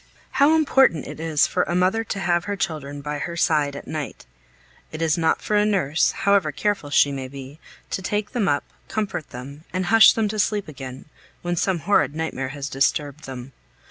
How important it is for a mother to have her children by her side at night! It is not for a nurse, however careful she may be, to take them up, comfort them, and hush them to sleep again, when some horrid nightmare has disturbed them.